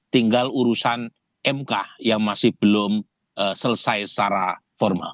tinggal urusan mk yang masih belum selesai secara formal